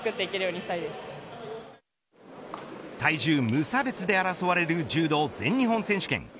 無差別で争われる柔道全日本選手権。